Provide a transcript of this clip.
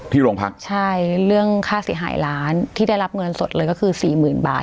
โรงพักใช่เรื่องค่าเสียหายล้านที่ได้รับเงินสดเลยก็คือสี่หมื่นบาท